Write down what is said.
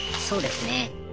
そうですね。